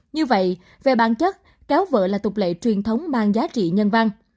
như vậy về bản chất kéo vợ là tục lệ truyền thống mang giá trị nhân văn